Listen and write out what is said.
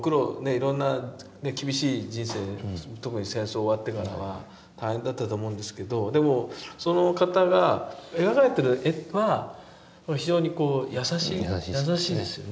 いろんなね厳しい人生特に戦争終わってからは大変だったと思うんですけどでもその方が描かれてる絵は非常に優しい優しいですよね。